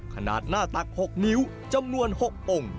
ขนาดหน้าตัก๖นิ้วจำนวน๖องค์